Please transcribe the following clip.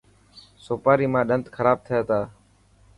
سوپاري مان ڏنت خراب ٿي تا.